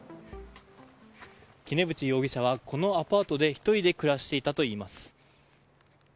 杵渕容疑者はこのアパートで１人で暮らしていたといいます。